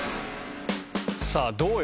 さあどうよ。